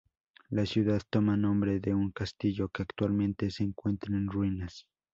La ciudad toma nombre de un castillo que actualmente se encuentra en ruinas.